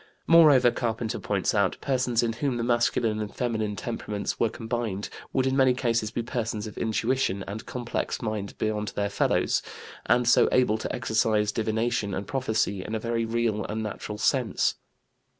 Moreover, Carpenter points out, persons in whom the masculine and feminine temperaments were combined would in many cases be persons of intuition and complex mind beyond their fellows, and so able to exercise divination and prophecy in a very real and natural sense.